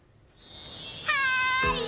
はい！